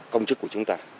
công chức của chúng ta